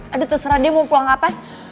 aduh terserah dia mau pulang apa